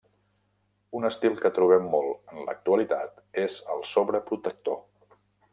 Un estil que trobem molt en l'actualitat, és el sobreprotector.